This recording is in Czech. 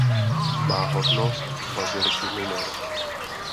Má hodnost baziliky minor.